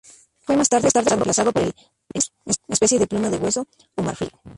Fue más tarde reemplazado por el "stylus", especie de pluma de hueso o marfil.